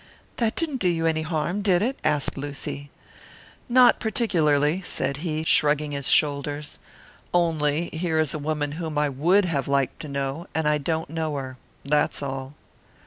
"That didn't do you any harm, did it?" asked Lucy. "Not particularly," said he, shrugging his shoulders. "Only here is a woman whom I would have liked to know, and I don't know her. That's all."